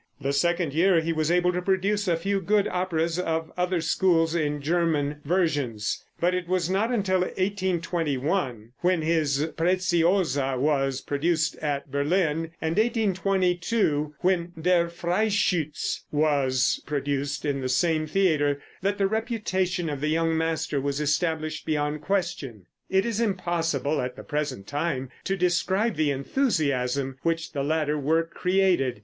The second year he was able to produce a few good operas of other schools in German versions, but it was not until 1821, when his "Preciosa" was produced at Berlin, and 1822, when "Der Freischütz" was produced in the same theater, that the reputation of the young master was established beyond question. It is impossible at the present time to describe the enthusiasm which the latter work created.